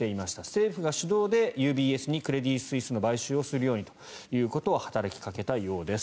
政府が主導でＵＢＳにクレディ・スイスの買収をするようにということを働きかけたようです。